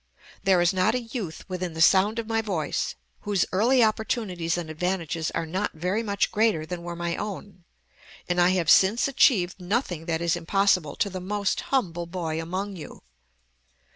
There is not a youth within the sound of my voice whose early opportunities and advantages are not very much greater than were my own; and I have since achieved nothing that is impossible to the most humble boy among you.